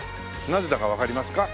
なぜだかわかりますか？